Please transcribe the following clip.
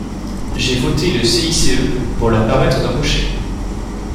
J’ai voté le CICE pour leur permettre d’embaucher.